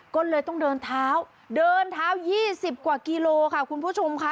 ก็เลยต้องเดินเท้าเดินเท้า๒๐กว่ากิโลค่ะคุณผู้ชมค่ะ